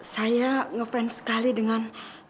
saya ngefans sekali dengan